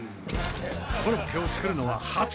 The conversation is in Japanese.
コロッケを作るのは初！